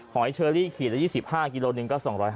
หอยเชอรี่ขีดละ๒๕กิโลหนึ่งก็๒๕๐